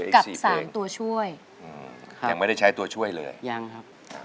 กับสามตัวช่วยครับยังไม่ได้ใช้ตัวช่วยเลยยังครับครับอเจมส์ครับ